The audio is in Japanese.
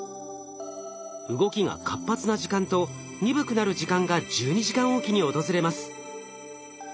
動きが活発な時間と鈍くなる時間が１２時間おきに訪れます。